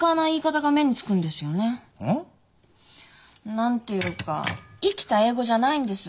何て言うか生きた英語じゃないんです。